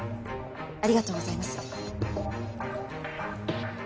ありがとうございます。